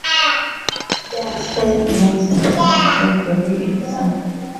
Scarlett Johansson is a contemporary example.